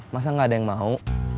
masa gak ada yang mau